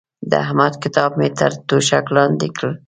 د احمد کتاب مې تر توشک لاندې کړ.